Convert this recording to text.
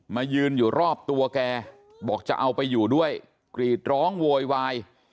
มายืนอยู่รอบตัวแกบอกจะเอาไปอยู่ด้วยกรีดร้องโวยวาย